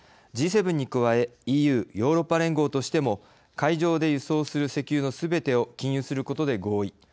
Ｇ７に加えＥＵ＝ヨーロッパ連合としても海上で輸送する石油のすべてを禁輸することで合意。